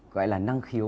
gọi là năng khiếu